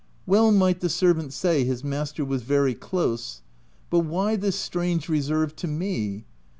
Well might the servant say his master was (C very close. " But why this strange reserve to me